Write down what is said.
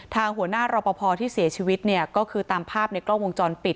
หัวหน้ารอปภที่เสียชีวิตเนี่ยก็คือตามภาพในกล้องวงจรปิด